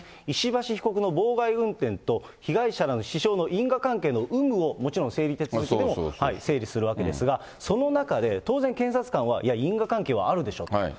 石橋被告の妨害運転と、被害者らの死傷の因果関係の有無を、もちろん整理手続きでも整理するわけですが、その中で、当然、検察官はいや、因果関係はあるでしょと。